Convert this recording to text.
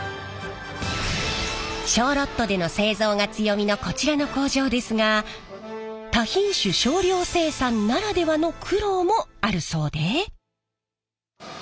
小ロットでの製造が強みのこちらの工場ですが多品種少量生産ならではの苦労もあるそうで。